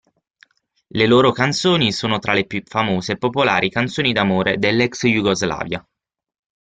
Le loro canzoni sono tra le più famose e popolari canzoni d'amore dell'Ex-Jugoslavia.